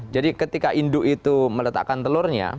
jadi ketika induk itu meletakkan telurnya